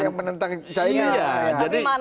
itu bagian menentang cahaya iya jadi